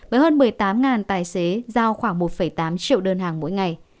với hơn một mươi tám tài xế giao khoảng một tám triệu đơn hàng mỗi ngày